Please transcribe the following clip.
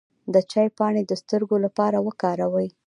د چای پاڼې د سترګو لپاره وکاروئ